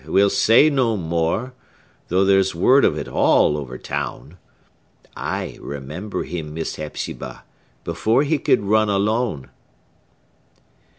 we'll say no more, though there's word of it all over town. I remember him, Miss Hepzibah, before he could run alone!"